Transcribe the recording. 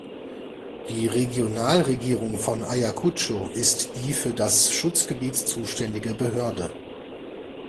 Die Regionalregierung von Ayacucho ist die für das Schutzgebiet zuständige Behörde.